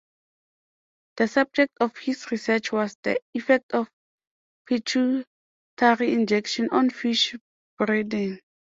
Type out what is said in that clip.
The subject of his research was the effect of pituitary injection on fish breeding.